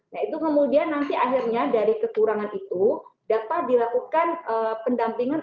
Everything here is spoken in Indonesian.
nah itu kemudian nanti akhirnya dari kekurangan itu dapat dilakukan pendampingan